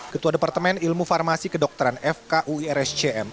ketua departemen ilmu farmasi kedokteran fk uirscm